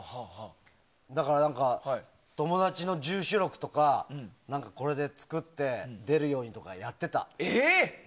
だから、友達の住所録とかこれで作って出るようにとかやってた。